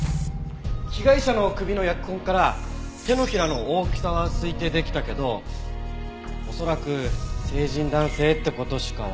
被害者の首の扼痕から手のひらの大きさは推定できたけど恐らく成人男性って事しかわからなかったよ。